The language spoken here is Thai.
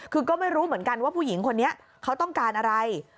คือก็ไม่รู้เหมือนกันว่าผู้หญิงคนนี้เขาต้องการอะไร